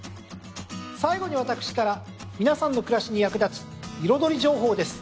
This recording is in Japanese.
最後に私から皆さんの暮らしに役立つ彩り情報です。